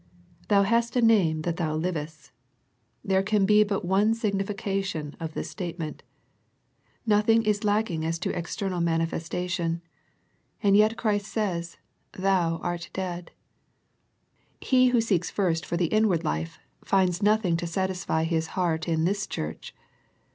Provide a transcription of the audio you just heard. " Thou hast a name that thou livest." There can be but one sig nification in this statement of Christ. Noth ing is lacking as to external manifestation, and The Sardis Letter 137 yet Christ says "And thou art dead." He Who seeks first for the inward life, finds noth ^ ing to satisfy His heart in this church.